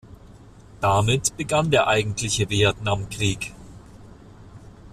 Damit begann der eigentliche Vietnam-Krieg.